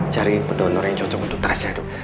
cariin pendonor yang cocok untuk tasnya dok